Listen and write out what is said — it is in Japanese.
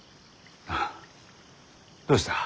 あどうした？